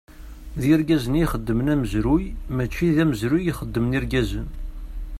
D Irgazen i ixedmen amezruy mači d amezruy i ixedmen Irgazen.